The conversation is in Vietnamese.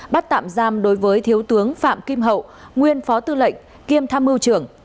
bắt tạm giam đối với thiếu tướng phạm kim hậu nguyên phó tư lệnh kiêm tham mưu trưởng